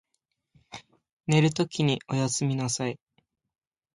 寝るときにおやすみなさい。